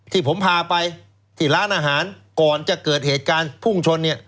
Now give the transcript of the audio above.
ที่ผมพาไปที่ร้านอาหารก่อนจะเกิดเหตุการณ์พุ่งชนเนี่ย